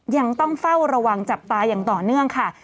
ยังต้องเฝ้าระวังจับตาอย่างต่อเนื่องค่ะ